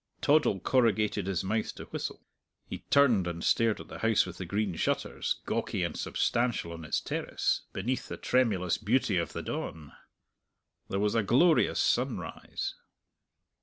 Toddle corrugated his mouth to whistle. He turned and stared at the House with the Green Shutters, gawcey and substantial on its terrace, beneath the tremulous beauty of the dawn. There was a glorious sunrise.